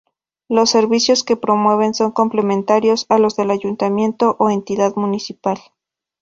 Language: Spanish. Los servicios que promueve son complementarios a los del ayuntamiento o entidad municipal.